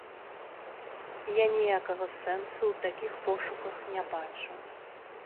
Я ніякага сэнсу ў такіх пошуках не бачу.